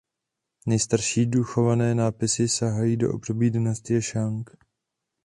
Nejstarší dochované nápisy sahají do období dynastie Šang.